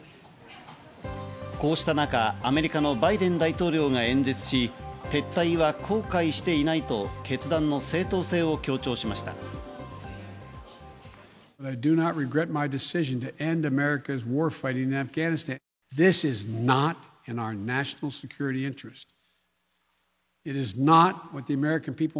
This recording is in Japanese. こうした中、アメリカのバイデン大統領が演説し、撤退は後悔していないと決断の正当性を強調しました。